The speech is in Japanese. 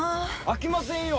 あきませんよ！